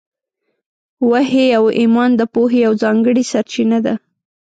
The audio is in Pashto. وحي او ایمان د پوهې یوه ځانګړې سرچینه ده.